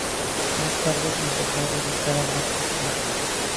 Más tarde se empezó a dedicar a la actuación.